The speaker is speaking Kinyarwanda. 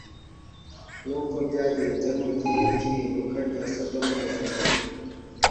nk uko byagenze mu gihe cy irimbuka rya sodomu na gomora